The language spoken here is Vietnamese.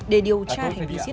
để điều tra hành vi diễn